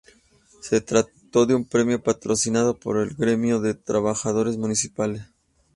Se trató de un premio patrocinado por el gremio de trabajadores municipales.